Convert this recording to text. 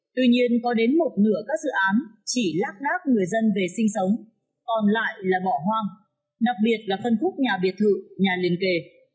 tuy nhiên có đến một nửa các dự án chỉ lác đác người dân về sinh sống còn lại là bỏ hoang đặc biệt là phân khúc nhà biệt thự nhà liên kề